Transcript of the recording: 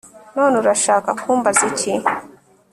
none urashaka kumbaza iki!